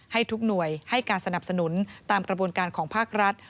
ให้การสนับสนุนตามกระบวนการของภาครัฐ